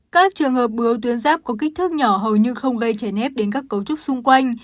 các trường hợp bướu tuyến giáp có kích thước nhỏ hầu như không gây chèn ép đến các cấu trúc xung quanh